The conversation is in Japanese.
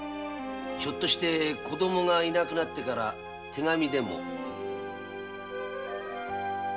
ひょっとして子供がいなくなってから手紙でも？